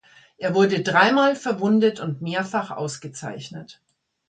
Er wurde dreimal verwundet und mehrfach ausgezeichnet.